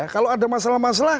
kalau ada masalah masalah